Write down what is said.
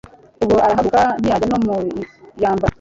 ubwo arahaguruka ntiyajya no mu iyambara